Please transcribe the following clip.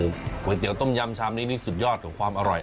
ก๋วยเตี๋ยวต้มยำชามนี้นี่สุดยอดของความอร่อย